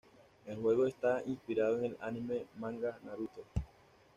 El juego está inspirado en el anime-manga Naruto.